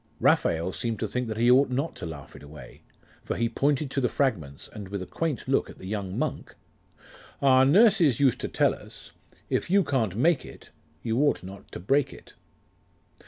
Raphael seemed to think that he ought not to laugh it away; for he pointed to the fragments, and with a quaint look at the young monk 'Our nurses used to tell us, '"If you can't make it, You ought not to break it."